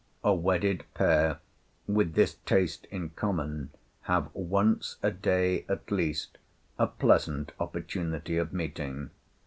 A wedded pair with this taste in common have once a day at least a pleasant opportunity of meeting.